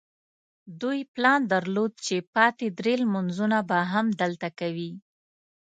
دوی پلان درلود چې پاتې درې لمونځونه به هم دلته کوي.